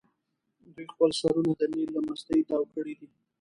دوی خپل سرونه د نیل له مستۍ تاو کړي دي.